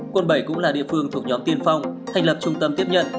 quận bảy cũng là địa phương thuộc nhóm tiên phong thành lập trung tâm tiếp nhận